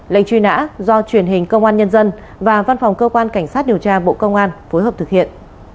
lệnh truy nã do truyền hình công an nhân dân và văn phòng cơ quan cảnh sát điều tra bộ công an phối hợp thực hiện